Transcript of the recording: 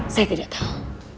saya tidak tahu